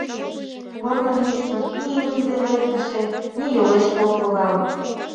Корно мучко ни имне дене эртыше, ни йолешке ок логал.